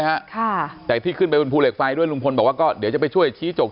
ค่ะแต่ที่ขึ้นไปบนภูเหล็กไฟด้วยลุงพลบอกว่าก็เดี๋ยวจะไปช่วยชี้จก